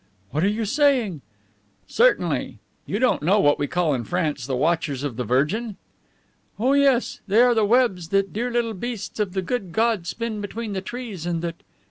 "What are you saying?" "Certainly. You don't know what we call in France 'the watchers of the Virgin'?" "Oh, yes, they are the webs that the dear little beasts of the good God spin between the trees and that..."